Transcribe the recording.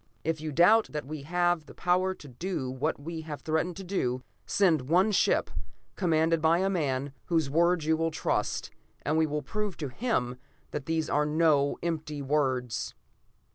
If you doubt that we have the power to do what we have threatened to do, send one ship, commanded by a man whose word you will trust, and we will prove to him that these are no empty words.'"